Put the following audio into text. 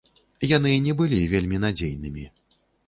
Яны не былі вельмі надзейнымі.